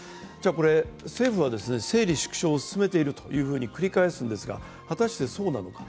これ、政府は整理縮小を進めていると繰り返すんですが、果たしてそうなのか。